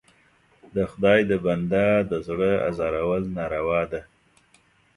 د خدای د بنده د زړه ازارول ناروا ده.